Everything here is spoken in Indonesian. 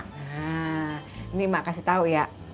nah ini mak kasih tau ya